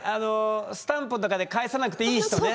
スタンプとかで返さなくていい人ね。